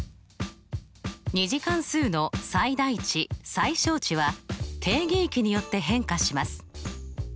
２次関数の最大値・最小値は定義域によって変化します。